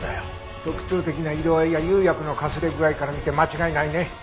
特徴的な色合いや釉薬のかすれ具合から見て間違いないね。